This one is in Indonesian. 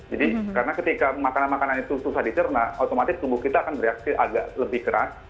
jadi karena ketika makanan makanan itu susah dicerna otomatis tubuh kita akan bereaksi agak lebih keras